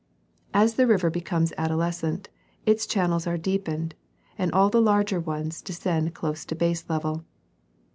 As the river becomes adolescent, its channels are deepened and all the larger ones descend close to baselevel.